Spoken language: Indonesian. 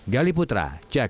gali putra jakarta